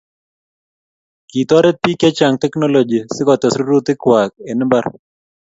kitoret biik chechang teknology si kotes rurutik kwach en mbar